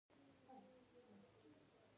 باندی سپین په منځ کی تور دی، نګه اوردی؛ نګه اوردی